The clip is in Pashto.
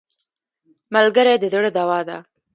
ملګری د زړه دوا ده